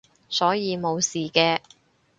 所以冇事嘅